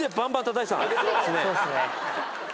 そうっすね。